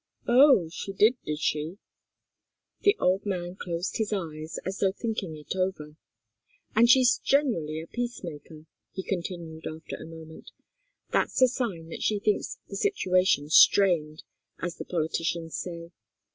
"Oh she did, did she?" The old man closed his eyes, as though thinking it over. "And she's generally a peacemaker," he continued, after a moment. "That's a sign that she thinks the situation strained, as the politicians say.